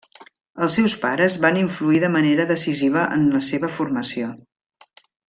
Els seus pares van influir de manera decisiva en seva la formació.